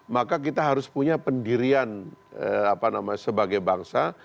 maka kita harus punya pendirian sebagai bangsa